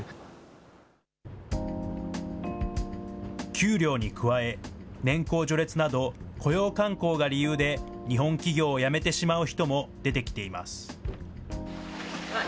給料に加え、年功序列など雇用慣行が理由で、日本企業を辞めてしまう人も出てきています。